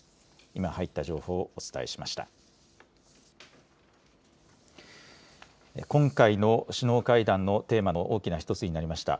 今入った情報をお伝えしました。